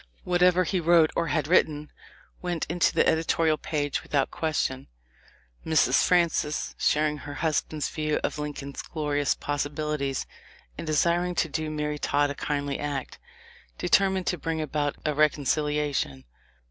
Whatever he wrote or had written, went into the editorial page without question. Mrs. Francis, sharing her husband's views of Lincoln's glorious possibilities, and desiring to do Mary Todd a kindly act, determined to bring about a reconcilia tion.